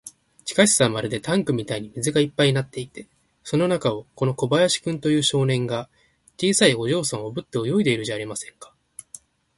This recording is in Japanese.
地下室はまるでタンクみたいに水がいっぱいになっていて、その中を、この小林君という少年が、小さいお嬢さんをおぶって泳いでいるじゃありませんか。